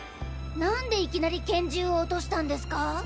なんでいきなり拳銃を落としたんですか？